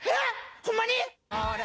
えっ！？